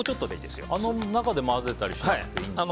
あの中で混ぜたりしなくていいんですか。